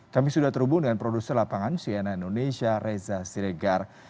kami sudah terhubung dengan produser lapangan cnn indonesia reza siregar